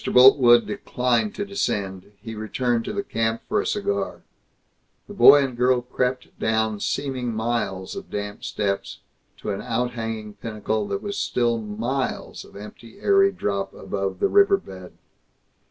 Boltwood declined to descend. He returned to the camp for a cigar. The boy and girl crept down seeming miles of damp steps to an outhanging pinnacle that still was miles of empty airy drop above the river bed.